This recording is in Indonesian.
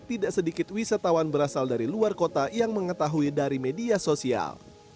tidak sedikit wisatawan berasal dari luar kota yang mengetahui dari media sosial